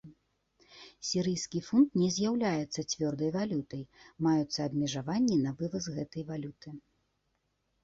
Сірыйскі фунт не з'яўляецца цвёрдай валютай, маюцца абмежаванні на вываз гэтай валюты.